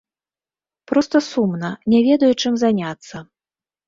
Проста сумна, не ведаю, чым заняцца.